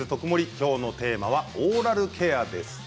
きょうのテーマはオーラルケアです。